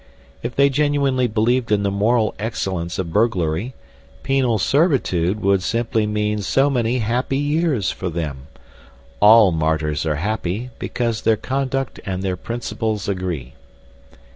If they genuinely believed in the moral excellence of burglary, penal servitude would simply mean so many happy years for them; all martyrs are happy, because their conduct and their principles agree.